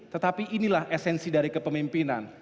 tetapi inilah esensi dari kepemimpinan